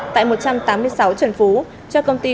tại một trăm tám mươi sáu trần phú cho công ty